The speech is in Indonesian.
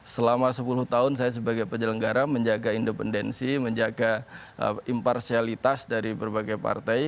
selama sepuluh tahun saya sebagai penyelenggara menjaga independensi menjaga imparsialitas dari berbagai partai